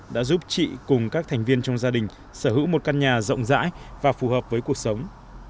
đã giúp chị cùng các thành viên trong gia đình sở hữu một căn nhà rộng rãi và phù hợp với cuộc sống